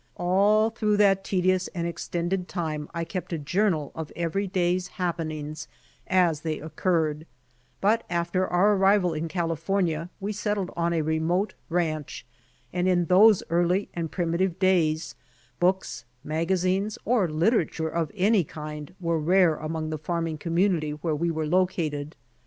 All through that tedious and extended time I kept a journal of every day's happenings as they occurred, but after our arrival in California we settled on a remote ranch, and in those early and primitive days, books, magazines or literature of any kind were rare among the farming community where we were located.